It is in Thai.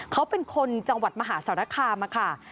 เขาเป็นคนจังหวัดมหาสารคามค่ะ